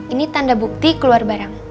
ini tanda bukti keluar barang